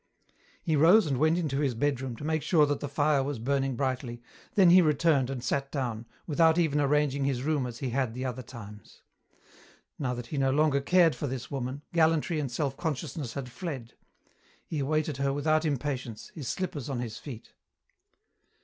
He rose and went into his bedroom to make sure that the fire was burning brightly, then he returned and sat down, without even arranging his room as he had the other times. Now that he no longer cared for this woman, gallantry and self consciousness had fled. He awaited her without impatience, his slippers on his feet.